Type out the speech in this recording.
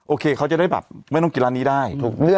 โอเคเขาจะได้ไม่ต้องกินร้านนี้ได้